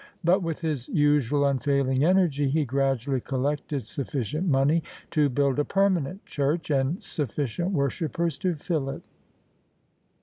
But, with his usual unfailing energy, he gradually collected suBScient mon^ to build a permanent church, and sufficient worshippers to fill it.